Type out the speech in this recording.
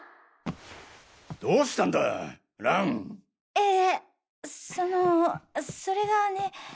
ええそのそれがね。